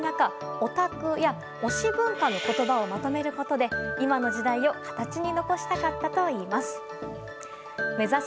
オタクや推し文化の言葉をまとめることで今の時代を形に残したかったといいます。